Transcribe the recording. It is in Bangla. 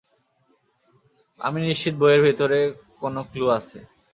আমি নিশ্চিত বইয়ের ভিতরে কোন ক্লু আছে।